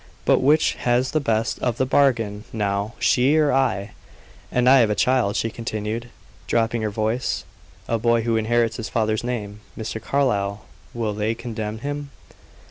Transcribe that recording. But which has the best of the bargain now, she or I? And I have a child," she continued, dropping her voice, "a boy who inherits his father's name. Mr. Carlyle, will they condemn him?"